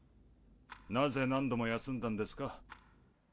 ・なぜ何度も休んだんですか？